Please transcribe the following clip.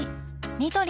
ニトリ